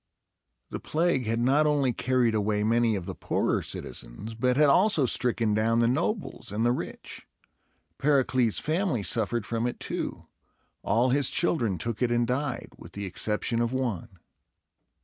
The plague had not only carried away many of the poorer citizens, but had also stricken down the nobles and the rich. Pericles' family suffered from it too. All his children took it and died, with the exception of one.